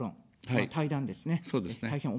そうですね。